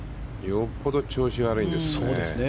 よっぽど調子悪いんですね。